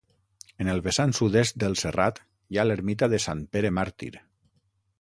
En el vessant sud-est del serrat hi ha l'ermita de Sant Pere Màrtir.